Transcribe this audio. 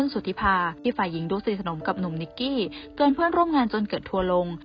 สุธิภาที่ฝ่ายหญิงดูสนิทสนมกับหนุ่มนิกกี้เกินเพื่อนร่วมงานจนเกิดทัวร์ลง